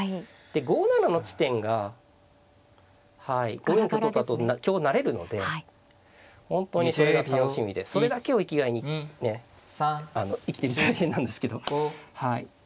５七の地点が５四香取ったあと香成れるので本当にそれが楽しみでそれだけを生きがいにね生きてるんで大変なんですけど。